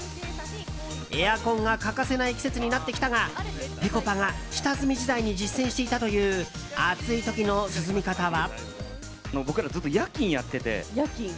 エアコンが欠かせない季節になってきたがぺこぱが下積み時代に実践していたという暑い時の涼み方は？